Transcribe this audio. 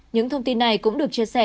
những thông tin này cũng được chia sẻ